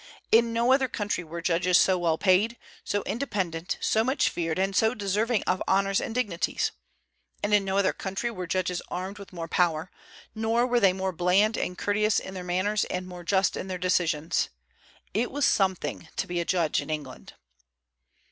In no other country were judges so well paid, so independent, so much feared, and so deserving of honors and dignities. And in no other country were judges armed with more power, nor were they more bland and courteous in their manners and more just in their decisions. It was something to be a judge in England.